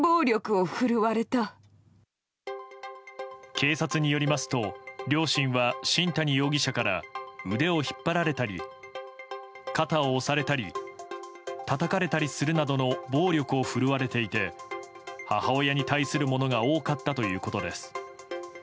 警察によりますと両親は新谷容疑者から腕を引っ張られたり肩を押されたりたたかれたりするなどの暴力を振るわれていて母親に対するものが多かったということです。